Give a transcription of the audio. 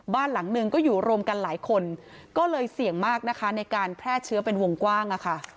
บ้านหลังหนึ่งก็อยู่รวมกันหลายคนก็เลยเสี่ยงมากนะคะในการแพร่เชื้อเป็นวงกว้าง